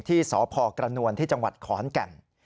ที่สพกระนวลที่จังหวัดขอนแก่น